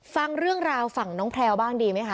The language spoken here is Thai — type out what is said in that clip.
ฟังเรื่องราวฝั่งน้องแพลวบ้างดีไหมคะ